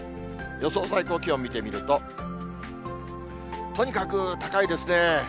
予想最高気温見てみると、とにかく高いですね。